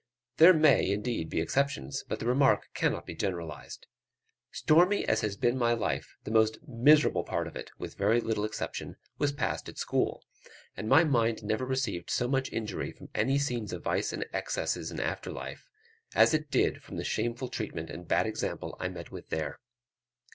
There may, indeed, be exceptions, but the remark cannot be generalized. Stormy as has been my life, the most miserable part of it (with very little exception) was passed at school; and my mind never received so much injury from any scenes of vice and excess in after life, as it did from the shameful treatment and bad example I met with there.